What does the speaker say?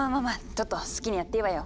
トット好きにやっていいわよ。